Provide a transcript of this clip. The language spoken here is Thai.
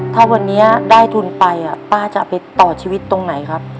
ถ้าวันนี้ได้ทุนไปป้าจะเอาไปต่อชีวิตตรงไหนครับ